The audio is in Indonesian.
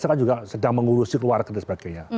saya kan juga sedang mengurusi keluarga dan sebagainya